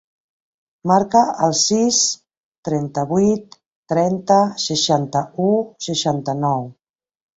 Marca el sis, trenta-vuit, trenta, seixanta-u, seixanta-nou.